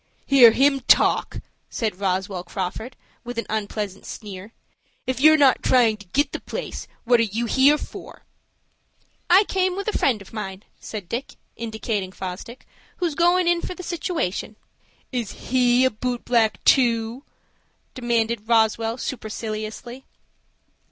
"Hear him talk!" said Roswell Crawford, with an unpleasant sneer. "If you are not trying to get the place, what are you here for?" "I came with a friend of mine," said Dick, indicating Fosdick, "who's goin' in for the situation." "Is he a boot black, too?" demanded Roswell, superciliously.